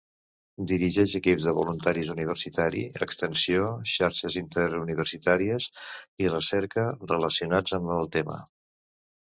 Dirigeix equips de voluntariat universitari, extensió, xarxes interuniversitàries i recerca relacionats amb el tema.